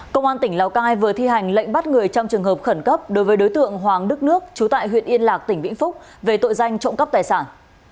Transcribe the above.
công an tỉnh lào cai vừa thi hành lệnh bắt người trong trường hợp khẩn cấp đối với đối tượng hoàng đức nước chú tại huyện yên lạc tỉnh vĩnh phúc về tội danh trộm cắp tài sản